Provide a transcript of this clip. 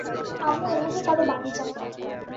আম্মু এভাবে কারো বাড়ি যায় না।